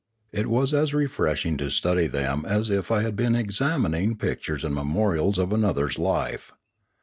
It was as refreshing to study them as if I had been examining pictures and memorials of another's life.